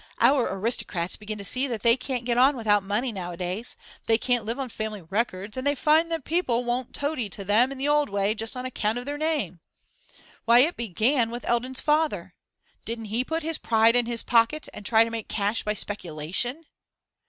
Our aristocrats begin to see that they can't get on without money nowadays; they can't live on family records, and they find that people won't toady to them in the old way just on account of their name. Why, it began with Eldon's father didn't he put his pride in his pocket, and try to make cash by speculation?